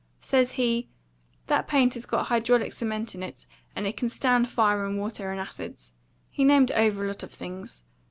Says he, 'That paint has got hydraulic cement in it, and it can stand fire and water and acids;' he named over a lot of things.